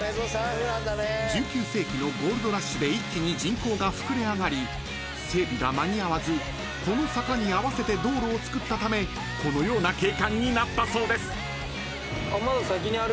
［１９世紀のゴールドラッシュで一気に人口が膨れ上がり整備が間に合わずこの坂に合わせて道路を作ったためこのような景観になったそうです］